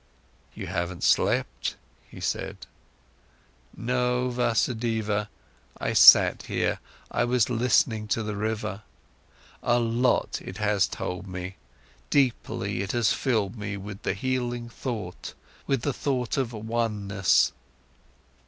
"You haven't slept," he said. "No, Vasudeva. I sat here, I was listening to the river. A lot it has told me, deeply it has filled me with the healing thought, with the thought of oneness."